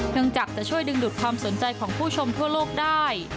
จากจะช่วยดึงดูดความสนใจของผู้ชมทั่วโลกได้